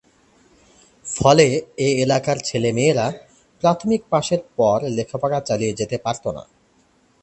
ফলে এ এলাকার ছেলে মেয়েরা প্রাথমিক পাশের পর লেখা পড়া চালিয়ে যেতে পারতো না।